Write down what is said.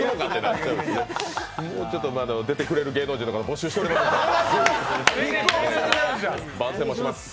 もうちょっと出てくれる芸能人の方募集してます、番宣もします。